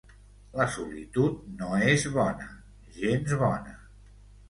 La solitud no és bona, gens bona...